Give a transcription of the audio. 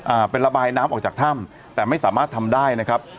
อ่าเป็นระบายน้ำออกจากถ้ำแต่ไม่สามารถทำได้นะครับ